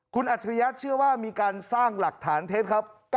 คุณอัจฉริยะเชื่อว่ามีการสร้างหลักฐานเท็จครับ